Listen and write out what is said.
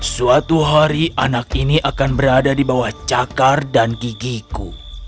suatu hari anak ini akan berada di bawah cakar dan gigiku